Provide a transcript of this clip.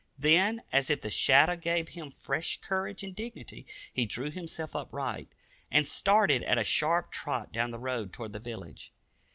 Then, as if the shadow gave him fresh courage and dignity, he drew himself upright, and started at a sharp trot down the road toward the village.